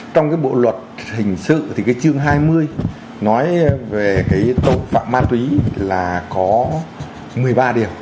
trong cái bộ luật hình sự thì cái chương hai mươi nói về cái tội phạm ma túy là có một mươi ba điều